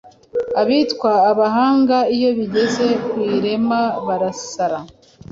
Abitwa abahanga iyo bigeze ku iremwa barasara